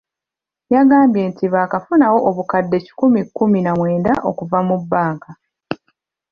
Yagambye nti baakafunawo obukadde kikumi kkumi na mwenda okuva mu bbanka.